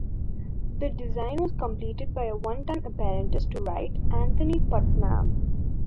The design was completed by a one-time apprentice to Wright, Anthony Puttnam.